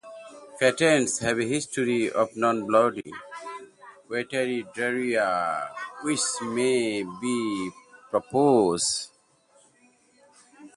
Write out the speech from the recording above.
Patients have a history of non-bloody watery diarrhoea, which may be profuse.